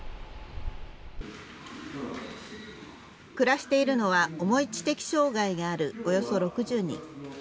暮らしているのは重い知的障害があるおよそ６０人。